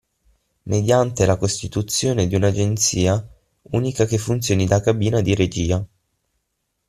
Mediante la costituzione di un'agenzia unica che funzioni da cabina di regia.